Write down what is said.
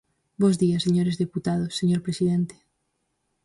Bos días, señores deputados, señor presidente.